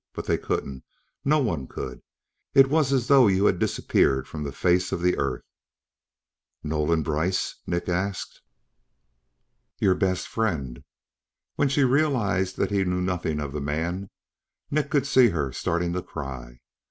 But they couldn't. No one could. It was as though you had disappeared from the face of the earth." "Nolan Brice?" Nick asked. "Your best friend..." When she realized that he knew nothing of the man, Nick could see her starting to cry.